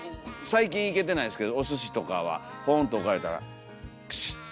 最近行けてないですけどおすしとかはポンと置かれたらカシッ。